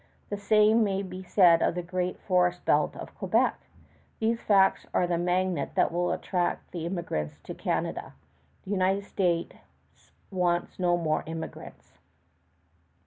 The same may be said of the Great Forest Belt of Quebec. These facts are the magnet that will attract the immigrant to Canada. The United States wants no more immigrants.